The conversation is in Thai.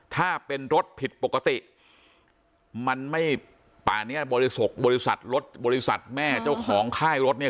ถ้าเป็นรถผิดปกติมันไม่ป่าเนี้ยบริษัทบริษัทรถบริษัทแม่เจ้าของค่ายรถเนี่ย